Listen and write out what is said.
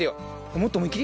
もっと思いっきり？